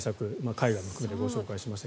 海外も含めてご紹介しました。